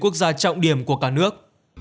quốc gia trọng điểm của cả nước